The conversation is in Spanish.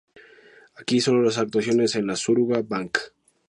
Aquí solo las actuaciones en la Suruga Bank.